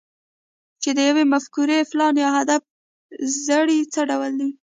چې د يوې مفکورې، پلان، يا هدف زړی څه ډول دی؟